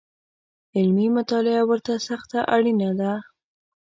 علمي مطالعه ورته سخته اړینه ده